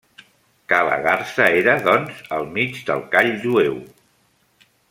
Ca la garsa era, doncs, al mig del call jueu.